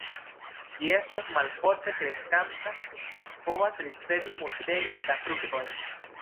Ĝi estas malforte kreskanta, sed povas ricevi multege da fruktojn.